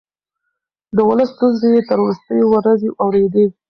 د ولس ستونزې يې تر وروستۍ ورځې اورېدې.